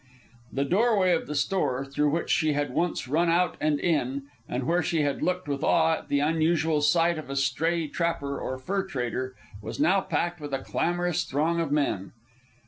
The doorway of the store, through which she had once run out and in, and where she had looked with awe at the unusual sight of a stray trapper or fur trader, was now packed with a clamorous throng of men.